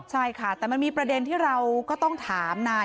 ใช่ค่ะแต่มันมีประเด็นที่เราก็ต้องถามนาย